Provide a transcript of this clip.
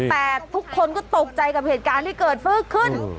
แต่ทุกคนก็ตกใจกับเหตุการณ์ที่เกิดขึ้น